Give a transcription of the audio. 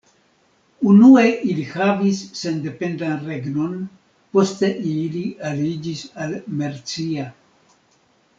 Unue ili havis sendependan regnon: poste ili aliĝis al Mercia.